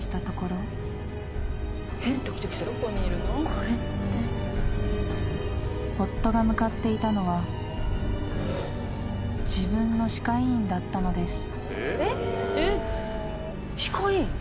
これって夫が向かっていたのは自分の歯科医院だったのです